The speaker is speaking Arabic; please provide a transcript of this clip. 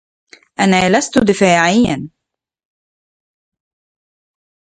أنا لست دفاعيا.